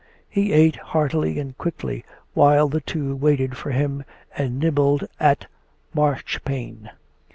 He ate heartily and quickly, while the two waited for him and nibbled at marchpane.